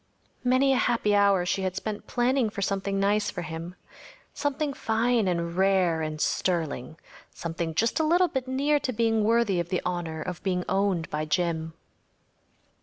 Many a happy hour she had spent planning for something nice for him. Something fine and rare and sterling‚ÄĒsomething just a little bit near to being worthy of the honor of being owned by Jim.